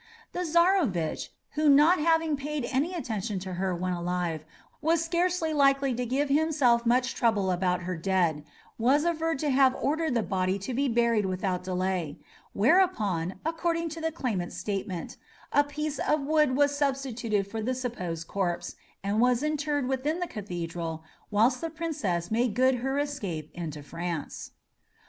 The Czarovitch, who not having paid any attention to her when alive, was scarcely likely to give himself much trouble about her dead, was averred to have ordered the body to be buried without delay; whereupon, according to the claimant's statement, a piece of wood was substituted for the supposed corpse, and was interred within the Cathedral, whilst the Princess made good her escape into France.